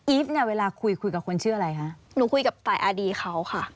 เนี่ยเวลาคุยคุยกับคนชื่ออะไรคะหนูคุยกับฝ่ายอดีตเขาค่ะ